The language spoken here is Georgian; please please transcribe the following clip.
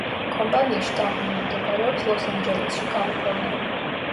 კომპანიის შტაბ-ბინა მდებარეობს ლოს-ანჯელესში, კალიფორნია.